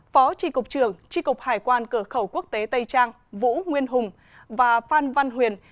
phó tri cục trưởng tri cục hải quan cửa khẩu quốc tế tây trang vũ nguyên hùng và phan văn huyền